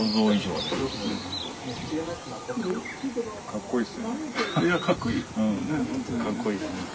かっこいい。